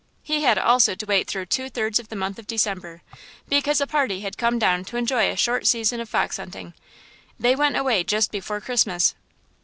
He had also to wait through two thirds of the month of December, because a party had come down to enjoy a short season of fox hunting. They went away just before Christmas.